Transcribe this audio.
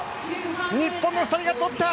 日本の２人が取った！